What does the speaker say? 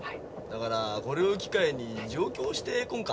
だからこれを機会に上京してこんか。